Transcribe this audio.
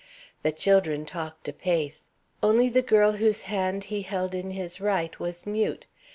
The children talked apace. Only the girl whose hand he held in his right was mute.